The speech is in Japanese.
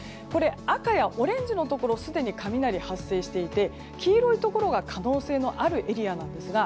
赤やオレンジのところすでに雷が発生していて黄色いところが可能性のあるエリアなんですが